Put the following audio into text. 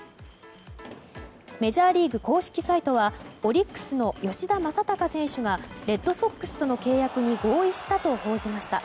メジャーリーグ公式サイトはオリックスの吉田正尚選手がレッドソックスとの契約に合意したと報じました。